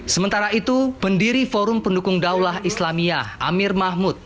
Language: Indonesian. sementara itu pendiri forum pendukung daulah islamiyah amir mahmud